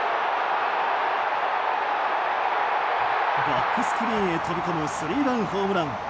バックスクリーンへ飛び込むスリーランホームラン。